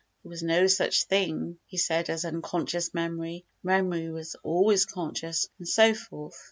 There was no such thing, he said, as "unconscious memory"—memory was always conscious, and so forth.